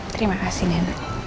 terima kasih nila